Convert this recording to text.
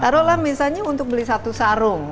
taruhlah misalnya untuk beli satu sarung